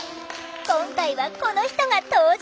今回はこの人が登場！